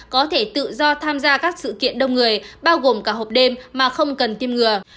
có thể tự do tham gia các sự kiện đông người bao gồm cả hộp đêm mà không cần tiêm ngừa